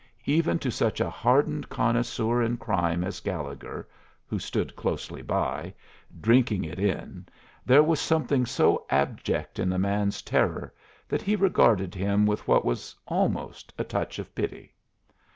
Even to such a hardened connoisseur in crime as Gallegher, who stood closely by, drinking it in, there was something so abject in the man's terror that he regarded him with what was almost a touch of pity.